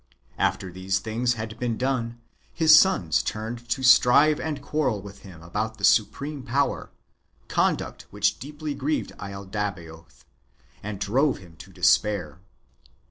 After these things had been done, his sons turned to strive and quarrel with him about the supreme power, — conduct which deeply grieved laldabaoth, and drove him to despair.